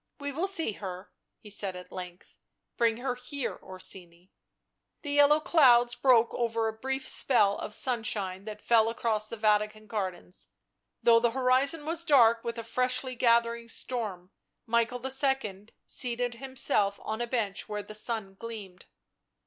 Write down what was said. " We will see her," he said at length. " Bring her here, Orsini." The yellow clouds broke over a brief spell of sunshine that fell across the Vatican gardens, though the horizon was dark with a freshly gathering storm ; Michael II. seated himself on a bench where the sun gleamed.